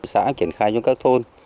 xã triển khai cho các thôn